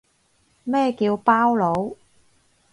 咩叫包佬